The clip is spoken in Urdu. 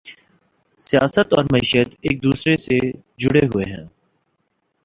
سیاست اور معیشت ایک دوسرے سے جڑے ہوئے ہیں۔